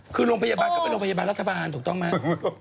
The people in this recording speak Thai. คือโรงพยาบาลก็เป็นโรงพยาบาลรัฐบาลถูกต้องไหม